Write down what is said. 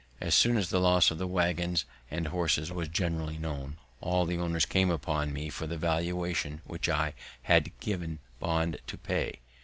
As soon as the loss of the waggons and horses was generally known, all the owners came upon me for the valuation which I had given bond to pay.